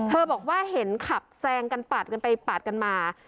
บอกว่าเห็นขับแซงกันปาดกันไปปาดกันมา